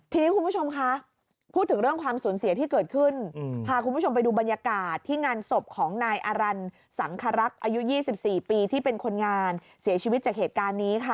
ทีนี้คุณผู้ชมคะพูดถึงเรื่องความสูญเสียที่เกิดขึ้นพาคุณผู้ชมไปดูบรรยากาศที่งานศพของนายอารันสังครักษ์อายุ๒๔ปีที่เป็นคนงานเสียชีวิตจากเหตุการณ์นี้ค่ะ